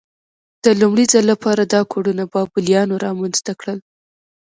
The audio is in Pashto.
د لومړي ځل لپاره دا کوډونه بابلیانو رامنځته کړل.